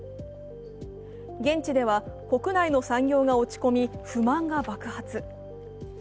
現地では国内の産業が落ち込み不満が爆発。